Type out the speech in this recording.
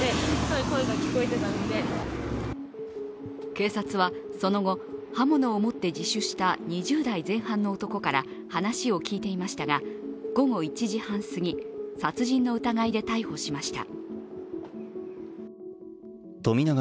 警察は、その後、刃物を持って自首した２０代前半の男から話を聞いていましたが、午後１時半すぎ、殺人の疑いで逮捕しました。